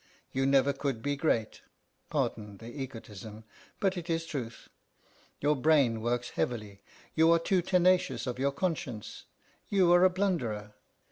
You never could be great. Pardon the egotism, but it is truth. Your brain works heavily, you are too tenacious of your conscience, you are a blunderer.